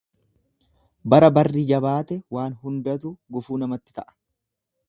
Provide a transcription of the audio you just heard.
Bara barri jabaate waan hundatu gufuu namatti ta'a.